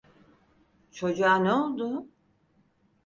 Çocuğa ne oldu?